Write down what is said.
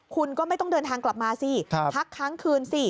คุณก็ไม่ต้องเดินทางกลับมาสิพักค้างคืนสิ